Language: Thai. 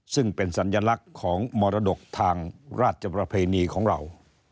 ซึ่งเป็นสัญลักษณ์ของมรดกทางราชประเพณีของเรา